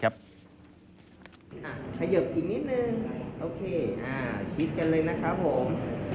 ขยิบอีกนิดนึงโอเคชิดกันเลยนะครับผม